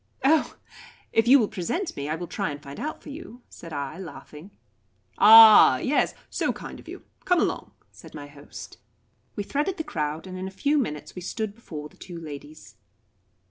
"Oh, if you will present me, I will try and find out for you," said I, laughing. "Ah, yes so kind of you come along," said my host. We threaded the crowd, and in a few minutes we stood before the two ladies.